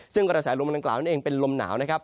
ซึ่งกระแสลมดังกล่าวนั่นเองเป็นลมหนาวนะครับ